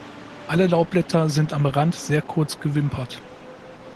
Alle Laubblätter sind am Rand sehr kurz bewimpert.